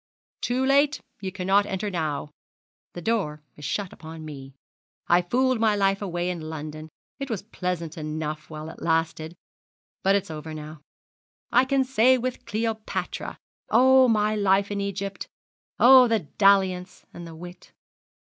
"Too late, ye cannot enter now." The door is shut upon me. I fooled my life away in London. It was pleasant enough while it lasted, but it's over now. I can say with Cleopatra "O my life in Egypt, O, the dalliance and the wit."'